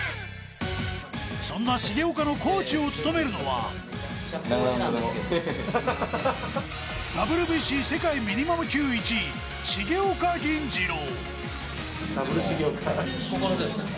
そんな重岡のコーチを務めるのはＷＢＣ世界ミニマム級１位重岡銀次朗。